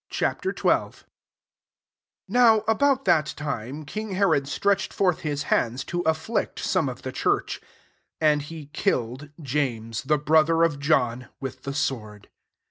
XII. 1 NOW about that time, king Herod stretched forth fiU hands to afflict some of the church. 2 And he killed James, the brother of John, with the sword.